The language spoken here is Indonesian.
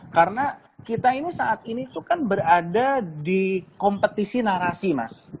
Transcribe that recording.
karena kita ini saat ini tuh kan berada di kompetisi narasi mas